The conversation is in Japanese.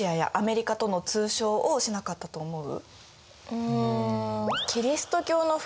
うん。